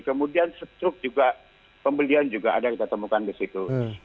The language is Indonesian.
kemudian struk juga pembelian juga ada kita temukan di situ